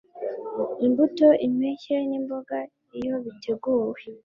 Imbuto impeke nimboga iyo biteguwe